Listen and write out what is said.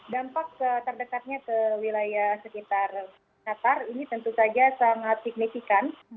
dampak terdekatnya ke wilayah sekitar qatar ini tentu saja sangat signifikan